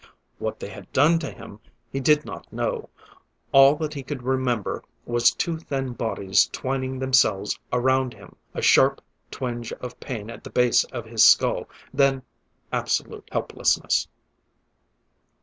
What they had done to him, he did not know; all that he could remember was two thin bodies twining themselves around him a sharp twinge of pain at the base of his skull; then absolute helplessness.